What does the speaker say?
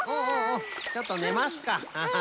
ちょっとねますかアハハ。